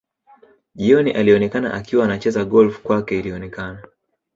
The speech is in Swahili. Jioni alionekana akiwa anacheza golf kwake ilionekana